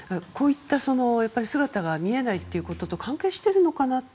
こういった姿が見えないということと関係しているのかな。